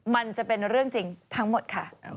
มันจะเป็นเรื่องจริงทั้งหมดค่ะ